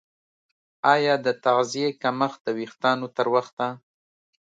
ایا د تغذیې کمښت د ویښتانو تر وخته